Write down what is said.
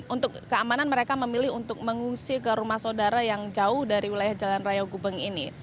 untuk keamanan mereka memilih untuk mengungsi ke rumah saudara yang jauh dari wilayah jalan raya gubeng ini